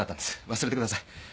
忘れてください。